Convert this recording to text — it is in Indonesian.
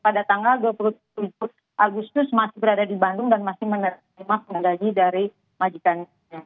pada tanggal dua puluh tujuh agustus masih berada di bandung dan masih menerima penggaji dari majikan